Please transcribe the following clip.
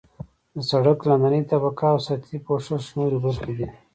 د سرک لاندنۍ طبقه او سطحي پوښښ نورې برخې دي